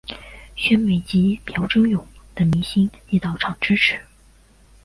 宣美及朴轸永等明星亦到场支持。